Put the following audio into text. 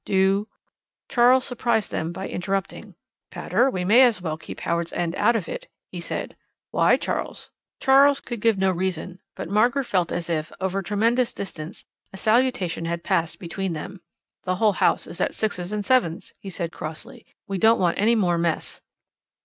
Do " Charles surprised them by interrupting. "Pater, we may as well keep Howards End out of it," he said. "Why, Charles?" Charles could give no reason; but Margaret felt as if, over tremendous distance, a salutation had passed between them. "The whole house is at sixes and sevens," he said crossly. "We don't want any more mess."